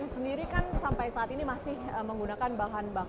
namun pln sendiri kan sampai saat ini masih menggunakan emisi gas rumah kaca tersebut bukan